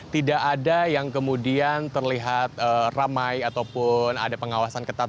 tidak ada yang kemudian terlihat ramai ataupun ada pengawasan ketat